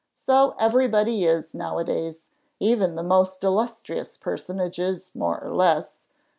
So everybody is now a days; even the most illustrious personages, more or less.